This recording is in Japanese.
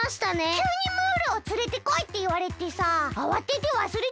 きゅうにムールをつれてこいっていわれてさあわててわすれちゃったよ！